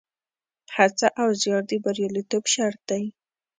هڅه او زیار د بریالیتوب شرط دی.